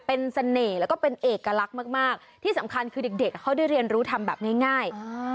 เป็นเสน่ห์แล้วก็เป็นเอกลักษณ์มากที่สำคัญคือเด็กเขาได้เรียนรู้ทำแบบง่าย